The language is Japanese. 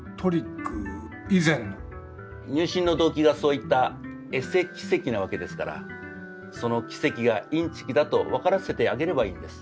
入信の動機がそういったエセ奇跡なわけですからその奇跡がインチキだと分からせてあげればいいんです。